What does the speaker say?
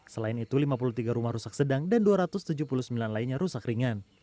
selain itu lima puluh tiga rumah rusak sedang dan dua ratus tujuh puluh sembilan lainnya rusak ringan